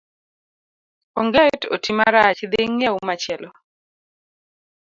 Onget oti marach dhi ing'iew machielo.